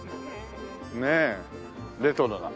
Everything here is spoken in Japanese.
ねえレトロな。